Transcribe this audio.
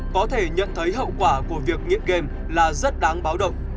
có thể nhận thấy hậu quả của việc nghiện game là rất đáng báo động